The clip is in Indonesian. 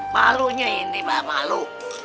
malunya ini mbah malu